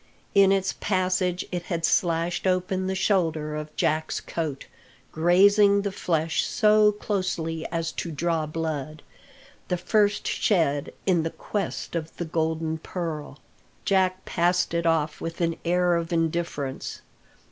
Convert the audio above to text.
In its passage it had slashed open the shoulder of Jack's coat, grazing the flesh so closely as to draw blood the first shed in the quest of the golden pearl. Jack passed it off with an air of indifference.